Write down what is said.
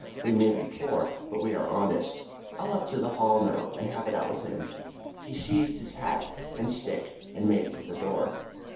We may be poor, but we are honest. I'll up to the Hall now, and have it out with him." He seized his hat and stick and made for the door.